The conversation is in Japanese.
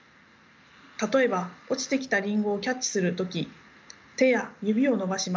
例えば落ちてきたりんごをキャッチする時手や指を伸ばします。